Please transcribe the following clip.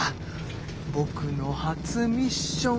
ぼくの初ミッション。